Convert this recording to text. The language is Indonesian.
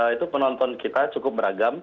itu penonton kita cukup beragam